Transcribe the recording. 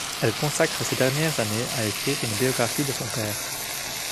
Elle consacre ses dernières années à écrire une biographie de son père.